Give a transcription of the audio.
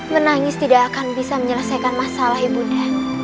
menangis tidak akan bisa menyelesaikan masalah ibu nda